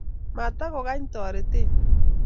matokokany toretet